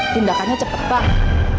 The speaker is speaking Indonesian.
tindakannya cepet banget